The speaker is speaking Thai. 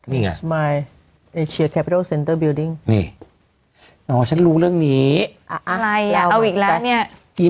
นี่ไงนี่อ๋อฉันรู้เรื่องนี้อะไรเอาอีกแล้วเนี่ย